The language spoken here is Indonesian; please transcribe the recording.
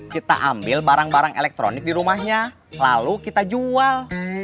kita ambil barang barang elektronik di rumahnya lalu kita jual